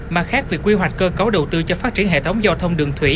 mặt khác việc quy hoạch cơ cấu đầu tư cho phát triển hệ thống giao thông đường thủy